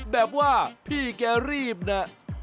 แบบว่าพี่แกรีบนะ